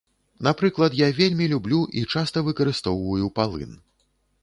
Напрыклад, я вельмі люблю і часта выкарыстоўваю палын.